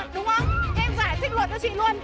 chị đi em giải thích luận cho chị luôn